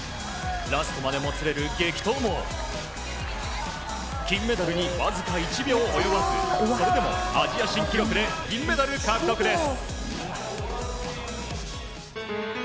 ラストまでもつれる激闘も金メダルにわずか１秒及ばずそれでもアジア新記録で銀メダル獲得です。